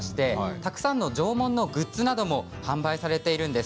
たくさんの縄文のグッズなども販売されているんです。